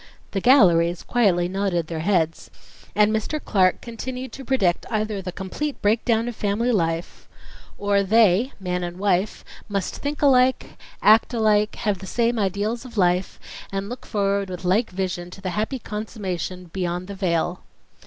The galleries quietly nodded their heads, and Mr. Clark continued to predict either the complete breakdown of family life .... or "they [man and wife] must think alike, act alike, have the same ideals of life, and look forward with like vision to the happy consummation 'beyond the vale.' .